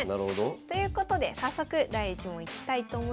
ということで早速第１問いきたいと思います。